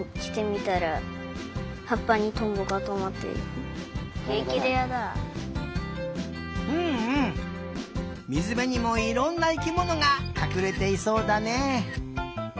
みずべにもいろんな生きものがかくれていそうだね。